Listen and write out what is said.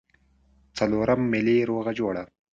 څلورم ملي روغه جوړه.